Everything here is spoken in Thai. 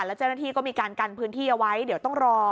แล้วเจ้าหน้าที่ก็มีการกันพื้นที่เอาไว้เดี๋ยวต้องรอ